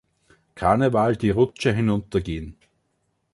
Karneval die Rutsche hinuntergehen.